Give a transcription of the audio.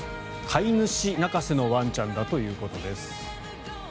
飼い主泣かせのワンちゃんだということです。